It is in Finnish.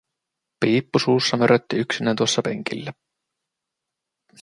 Piippu suussa mörötti yksinään tuossa penkillä.